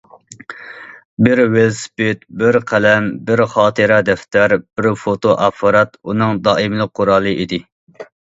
بىر ۋېلىسىپىت، بىر قەلەم، بىر خاتىرە دەپتەر، بىر فوتو ئاپپارات ئۇنىڭ دائىملىق قورالى ئىدى.